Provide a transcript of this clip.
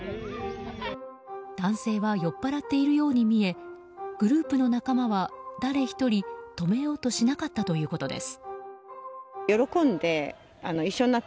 男性は酔っぱらっているように見えグループの仲間は誰１人、止めようとしなかったということです。